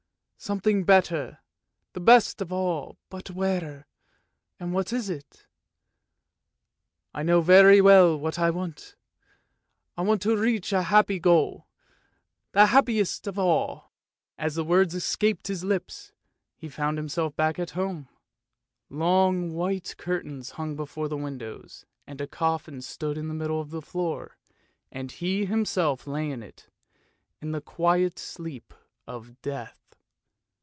Something better, the best of all, but where, and what is it ? I know very well what I want. I want to reach a happy goal, the happiest of all! " As the words escaped his lips, he found himself back at home ; long white curtains hung before the windows, and a coffin stood in the middle of the floor, and he himself lay in it, in the quiet sleep of death.